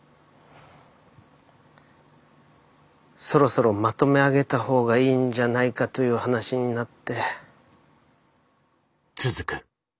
そろそろまとめ上げたほうがいいんじゃないかという話になって。